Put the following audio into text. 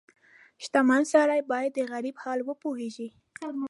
• شتمن سړی باید د غریب حال وپوهيږي.